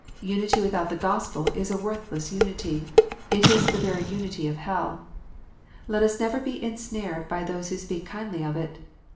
Unity without the Gospel is a worthless unity ; it is the very unity of hell. Let us never be ensnared by those who speak kindly of it.